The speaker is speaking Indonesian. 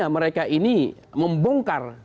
mereka ini membongkar